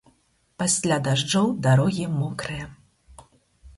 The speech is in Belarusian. Пасля дажджоў дарогі мокрыя.